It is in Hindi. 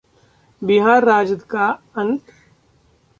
बिहार-राजद का अंत?